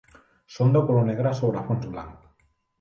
Són de color negre sobre fons blanc.